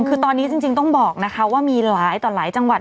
คือตอนนี้จริงต้องบอกนะคะว่ามีหลายต่อหลายจังหวัด